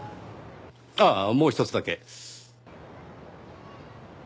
ああもうひとつだけ。